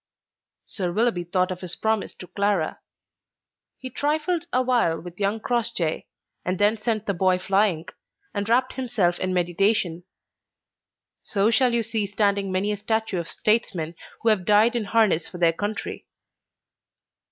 Sir Willoughby thought of his promise to Clara. He trifled awhile with young Crossjay, and then sent the boy flying, and wrapped himself in meditation. So shall you see standing many a statue of statesmen who have died in harness for their country.